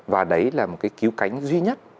và đấy là một cái cứu cánh duy nhất